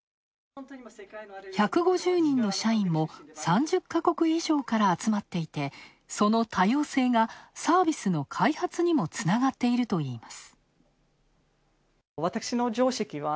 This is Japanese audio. １５０人の社員も３０カ国以上から集まっていて、その多様性がサービスの開発にもつながっているといいます。